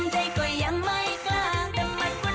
ฉันเป็นผู้หญิงให้พูดจริงใจก็ยังไม่กล้าง